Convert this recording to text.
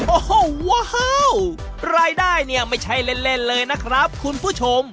โอ้โหว้าวรายได้เนี่ยไม่ใช่เล่นเลยนะครับคุณผู้ชม